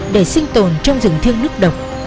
để sinh tồn trong rừng thương nước độc